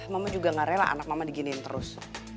mama juga gak rela anak mama diginiin terus